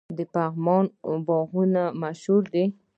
د پغمان باغونه مشهور دي.